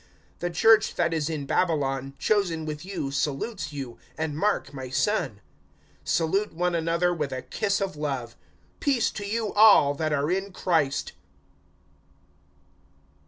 (13)The [church that is] in Babylon, chosen with you, salutes you[5:13]; and Mark, my son. (14)Salute one another with a kiss of love. Peace to you all, that are in Christ.